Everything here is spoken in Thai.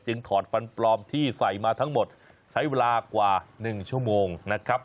ถอดฟันปลอมที่ใส่มาทั้งหมดใช้เวลากว่า๑ชั่วโมงนะครับ